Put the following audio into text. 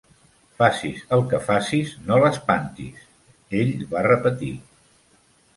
"Facis el que facis, no l'espantis", ell va repetir.